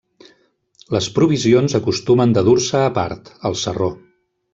Les provisions acostumen de dur-se a part, al sarró.